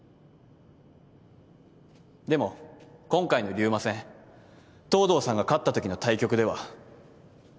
でも今回の竜馬戦藤堂さんが勝ったときの対局では。